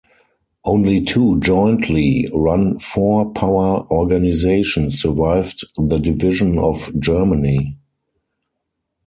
Only two jointly-run four-power organizations survived the division of Germany.